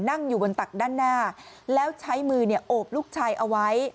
นั่งอยู่บนตักด้านหน้าแล้วใช้มือโอบลูกชายเอาไว้